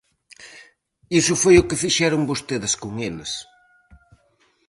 Iso foi o que fixeron vostedes con eles.